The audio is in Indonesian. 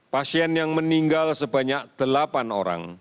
pasien yang meninggal sebanyak delapan orang